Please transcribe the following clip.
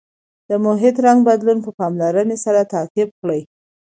د محیط رنګ بدلون په پاملرنې سره تعقیب کړئ.